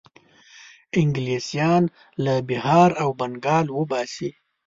انګلیسیان له بیهار او بنګال وباسي.